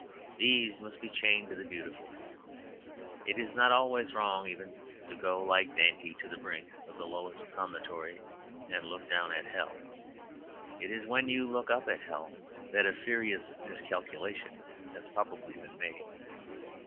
These must be chained to the beautiful. It is not always wrong even to go, like Dante, to the brink of the lowest promontory and look down at hell. It is when you look up at hell that a serious miscalculation has probably been made.